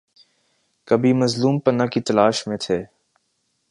کبھی مظلوم پناہ کی تلاش میں تھے۔